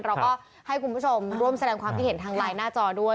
เราก็ให้คุณผู้ชมร่วมแสดงความคิดเห็นทางไลน์หน้าจอด้วย